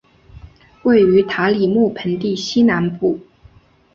位于塔里木盆地西南部。